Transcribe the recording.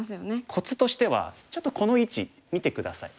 コツとしてはちょっとこの位置見て下さい。